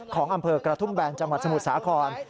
ของอำเภอกระทุ่มแบนจังหวัดสมุทรสาคร